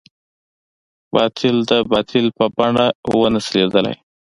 باطل د باطل په بڼه ونه شي ليدلی.